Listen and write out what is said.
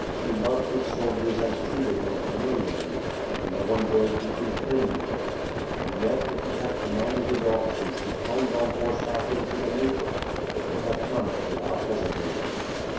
He loved his soldiers and treated them familiarly — but no one dared to treat him with it. And yet if he had commanded his offi cers to plunge on horseback into the Dnieper — ^they would have done it without hesitating.